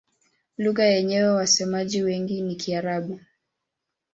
Lugha yenye wasemaji wengi ni Kiarabu.